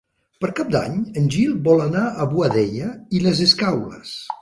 Per Cap d'Any en Gil vol anar a Boadella i les Escaules.